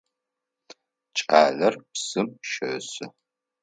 Кӏалэр псым щесы.